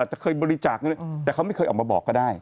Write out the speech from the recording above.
จะเคยบริจาคเงินแต่เขาไม่เคยออกมาบอกก็ได้